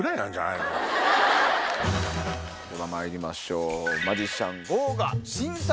ではまいりましょう。